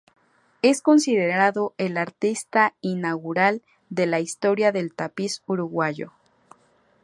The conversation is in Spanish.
Es considerado el artista inaugural de la historia del tapiz uruguayo.